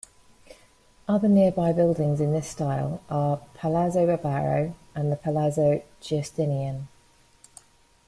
Other nearby buildings in this style are Palazzo Barbaro and the Palazzo Giustinian.